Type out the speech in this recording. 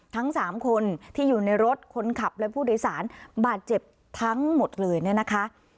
ทั้งสามคนที่อยู่ในรถคนขับและผู้โดยสารบาดเจ็บทั้งหมดเลยเนี่ยนะคะ